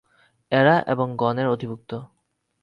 এরা এবং গণের অধিভু্ক্ত।